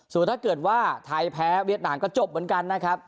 ส่วนถ้าเกิดว่าไทยแพ้เวียดนามก็จบเหมือนกันนะครับ